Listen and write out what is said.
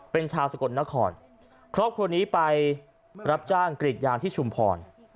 เป็นชาวสกลนครครอบครัวนี้ไปรับจ้างกรีดยางที่ชุมพร